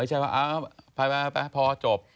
ไม่ใช่ว่าไปพอจบ